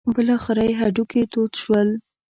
بالاخره یې هډوکي تود شول.